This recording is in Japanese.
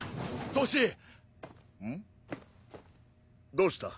どうした？